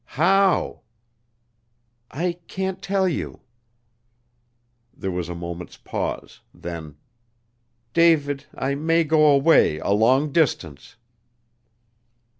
"How?" "I can't tell you." There was a moment's pause. Then, "David, I may go away a long distance."